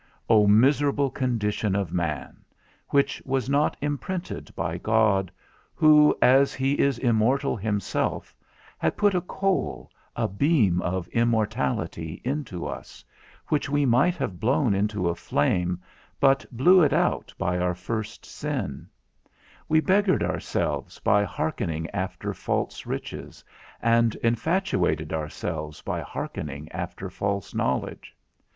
O miserable condition of man! which was not imprinted by God, who, as he is immortal himself, had put a coal, a beam of immortality into us, which we might have blown into a flame, but blew it out by our first sin; we beggared ourselves by hearkening after false riches, and infatuated ourselves by hearkening after false knowledge.